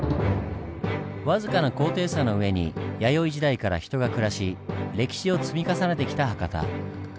わずかな高低差の上に弥生時代から人が暮らし歴史を積み重ねてきた博多。